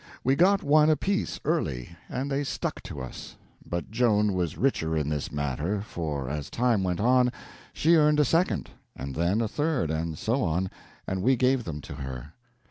We got one apiece early, and they stuck to us; but Joan was richer in this matter, for, as time went on, she earned a second, and then a third, and so on, and we gave them to her.